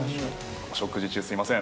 ◆お食事中、すみません。